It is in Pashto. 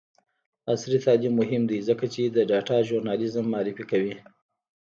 عصري تعلیم مهم دی ځکه چې د ډاټا ژورنالیزم معرفي کوي.